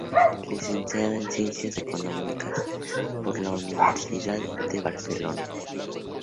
Licenciada en Ciencias Económicas por la Universidad de Barcelona.